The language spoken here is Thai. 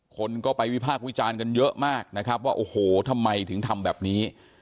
คนก็ไปวิพากษ์วิจารณ์กันเยอะมากนะครับว่าโอ้โหทำไมถึงทำแบบนี้